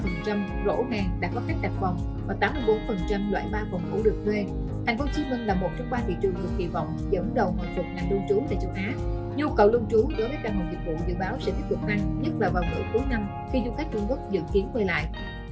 dịch vụ dự báo sẽ tiếp tục tăng nhất là vào buổi cuối năm khi du khách trung quốc dự kiến quay lại